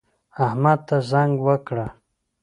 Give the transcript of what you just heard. احمد ته زنګ وکړه